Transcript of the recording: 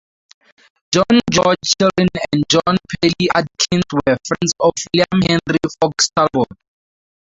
John George Children and John Pelly Atkins were friends of William Henry Fox Talbot.